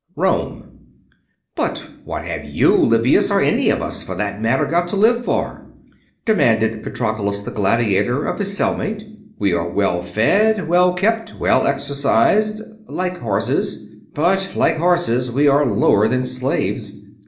3. ROME "But what have you, Livius, or any of us, for that matter, got to live for?" demanded Patroclus the gladiator of his cell mate. "We are well fed, well kept, well exercised; like horses. But, like horses, we are lower than slaves.